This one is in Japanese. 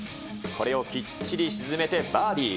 これをきっちり沈めてバーディー。